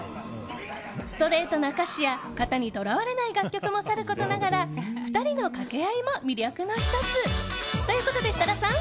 ストレートな歌詞や型にとらわれない楽曲もさることながら２人の掛け合いも魅力の１つ。ということで設楽さん。